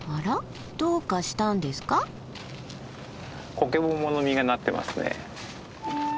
コケモモの実がなってますね。